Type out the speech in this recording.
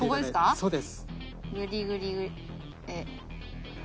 そうです。